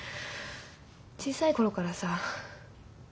小さいころからさ。